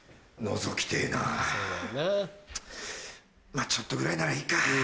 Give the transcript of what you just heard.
まっちょっとぐらいならいいか。